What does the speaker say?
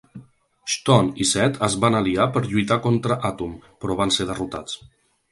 Chthon i Set es van aliar per lluitar contra Atum, però van ser derrotats.